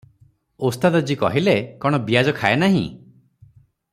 "ଓସ୍ତାଦଜୀ କହିଲେ, କଣ ବିଆଜ ଖାଏ ନାହିଁ?